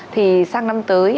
thì sang năm tới